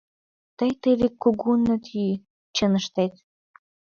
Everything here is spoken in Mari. Тый теве кугун от йӱ, чын ыштет!..